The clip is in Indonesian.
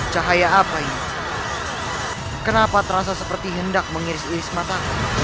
cahaya apanya kenapa terasa seperti hendak mengiris iris mata